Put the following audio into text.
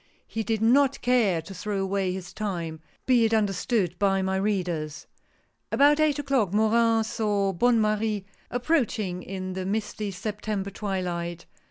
He did not care to throw away his time, be it under stood, by my readers. About eight o'clock Morin saw Bonne Marie ap proaching in the misty September twilight.